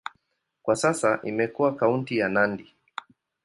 Kwa sasa imekuwa kaunti ya Nandi.